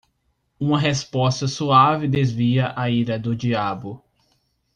Uma resposta suave desvia a ira do diabo